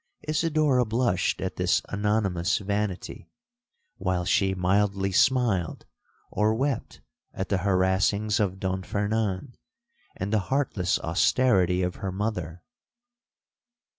'Isidora blushed at this anonymous vanity, while she mildly smiled or wept at the harassings of Don Fernan, and the heartless austerity of her mother.